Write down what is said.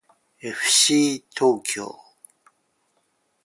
えふしー東京